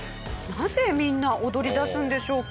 なぜみんな踊りだすんでしょうか？